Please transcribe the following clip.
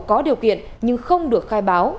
có điều kiện nhưng không được khai báo